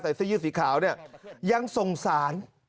เสื้อยืดสีขาวเนี่ยยังสงสาร